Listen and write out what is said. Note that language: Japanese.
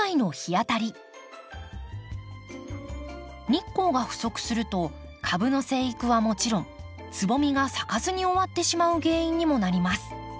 日光が不足すると株の生育はもちろんつぼみが咲かずに終わってしまう原因にもなります。